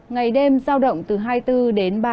ngày đêm giao động từ hai mươi bốn đến ba mươi hai độ